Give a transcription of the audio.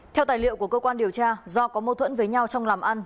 theo tài liệu của cơ quan điều tra do có mâu thuẫn với nhau trong làm ăn